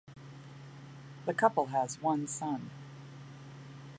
The couple has one son.